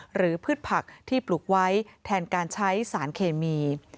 พืชผักที่ปลูกไว้แทนการใช้สารเคมี